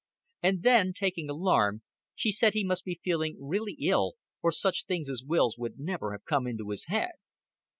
And then, taking alarm, she said he must be feeling really ill, or such things as wills would never have come into his head.